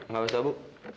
gak masalah bu